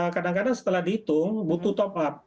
kadang kadang setelah dihitung butuh top up